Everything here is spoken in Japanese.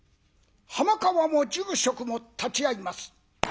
浜川も住職も立ち会います。